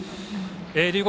龍谷